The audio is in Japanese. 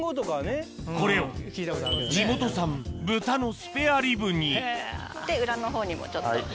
これを地元産豚のスペアリブにで裏のほうにもちょっと。